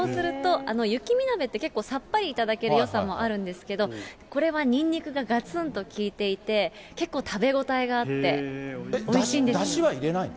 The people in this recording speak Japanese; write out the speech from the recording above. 雪見鍋って結構さっぱり頂けるよさもあるんですけれども、これはにんにくががつんと効いていて、結構食べ応えがあって、おいしい出し入れないの？